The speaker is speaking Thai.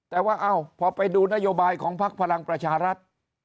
แต่ว่าเอ้าพอไปดูนโยบายของพักพลังประชารัฐ